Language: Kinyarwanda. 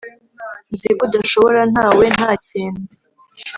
Nzi ko udashobora ntawe nta kintu